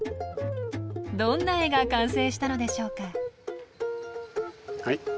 どんな絵が完成したのでしょうか？